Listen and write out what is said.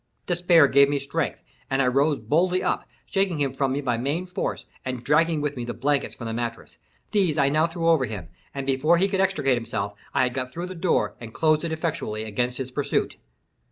Despair gave me strength, and I rose boldly up, shaking him from me by main force, and dragging with me the blankets from the mattress. These I now threw over him, and before he could extricate himself, I had got through the door and closed it effectually against his pursuit.